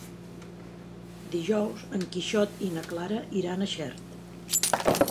Dijous en Quixot i na Clara iran a Xert.